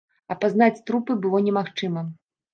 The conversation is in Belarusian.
Апазнаць трупы было немагчыма.